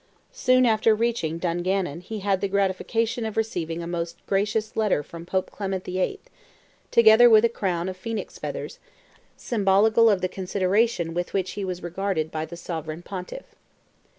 Soon after reaching Dungannon he had the gratification of receiving a most gracious letter from Pope Clement VIII., together with a crown of phoenix feathers, symbolical of the consideration with which he was regarded by the Sovereign Pontiff.